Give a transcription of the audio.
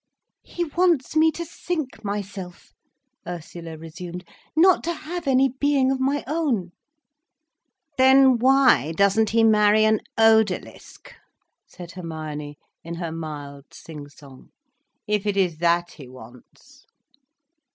"He wants me to sink myself," Ursula resumed, "not to have any being of my own—" "Then why doesn't he marry an odalisk?" said Hermione in her mild sing song, "if it is that he wants."